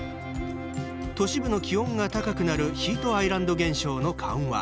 都市部の気温が高くなるヒートアイランド現象の緩和